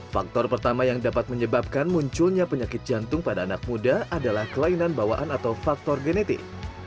faktor pertama yang dapat menyebabkan munculnya penyakit jantung pada anak muda adalah kelainan bawaan atau faktor genetik